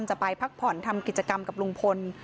จะไปพักผ่อนทำกิจกรรมกับลุงพล